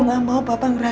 sekarang abi akan bekerja